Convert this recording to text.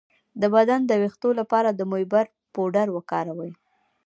د بدن د ویښتو لپاره د موبری پوډر وکاروئ